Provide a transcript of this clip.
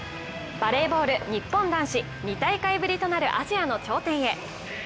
バレーボール日本男子、２大会ぶりとなるアジアの頂点へ。